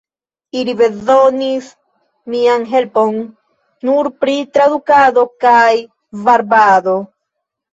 Ili bezonis mian helpon nur pri tradukado kaj varbado.